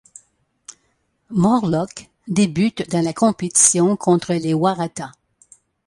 Mortlock débute dans la compétition contre les Waratahs.